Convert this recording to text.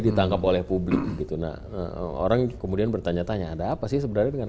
ditangkap oleh publik gitu nah orang kemudian bertanya tanya ada apa sih sebenarnya dengan